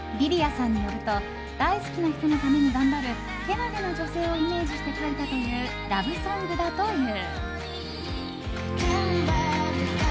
さんによると大好きな人のために頑張るけなげな女性をイメージして書いたというラブソングだという。